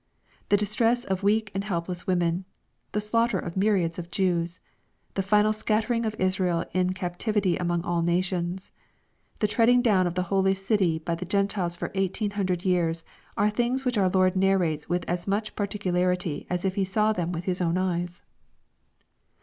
The distress of weak and helpless women,— the slaughter of myriads of Jews, — the final scattering of Israel in captivity among all na tions— the treading down of the holy city by the Gen tiles for eighteen hundred years, are things which our Lord narrates with as much particularity as if He saw them with His own eyes.